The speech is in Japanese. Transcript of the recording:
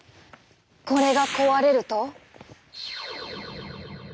これが壊れると。